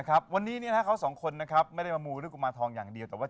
สัมพเวศีเนี่ยต้องไหว้ข้างนอกตรงทางสามแพงหรือว่าบริเวณถนนไหว้หน้าบ้านยังไม่มาไหว้เลย